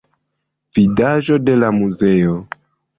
Vidaĵo de la muzeo.